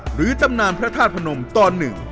หรือตำนานพระธาตุพระนมตอน๑